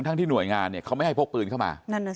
ทั้งที่หน่วยงานเนี่ยเขาไม่ให้พกปืนเข้ามา